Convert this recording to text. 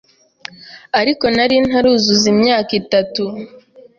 ariko nari ntaruzuza imyaka itatu.